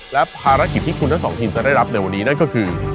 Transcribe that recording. และภารกิจที่คุณทั้งสองทีมจะได้รับในวันนี้นั่นก็คือ